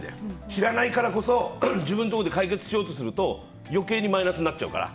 知らないからこそ自分のところで解決しようとすると余計にマイナスになっちゃうから。